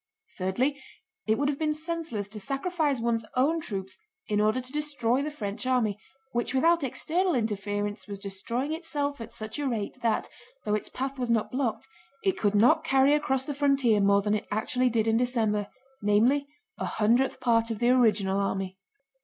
Thirdly, it would have been senseless to sacrifice one's own troops in order to destroy the French army, which without external interference was destroying itself at such a rate that, though its path was not blocked, it could not carry across the frontier more than it actually did in December, namely a hundredth part of the original army.